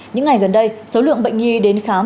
những ngày gần đây số lượng bệnh nhi đến khám